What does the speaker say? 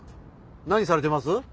何されてます？